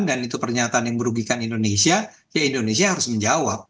dan itu pernyataan yang merugikan indonesia ya indonesia harus menjawab